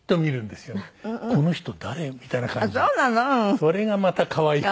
それがまた可愛くて。